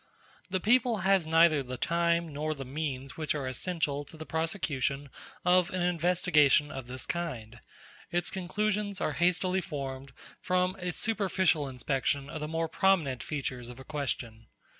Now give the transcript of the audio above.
The people has neither the time nor the means which are essential to the prosecution of an investigation of this kind: its conclusions are hastily formed from a superficial inspection of the more prominent features of a question.